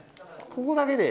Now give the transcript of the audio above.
ここだけ？